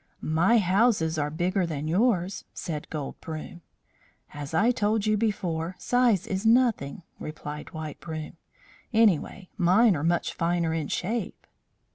"My houses are bigger than yours," said Gold Broom. "As I told you before, size is nothing," replied White Broom. "Anyway, mine are much finer in shape."